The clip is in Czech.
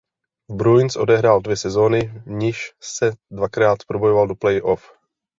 V Bruins odehrál dvě sezóny v nichž se dvakrát probojovali do playoff.